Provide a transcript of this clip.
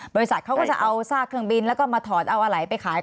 บริษัทเขาก็จะเอาซากเครื่องบินแล้วก็มาถอดเอาอะไรไปขาย